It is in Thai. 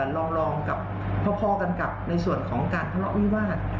ลองกับพอกันกับในส่วนของการทะเลาะวิวาส